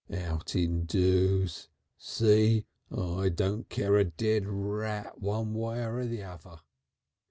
Outing doos. See? I don't care a dead rat one way or the uvver."